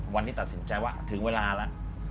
วันนี้ตัดสินใจว่าถึงเวลาแล้ว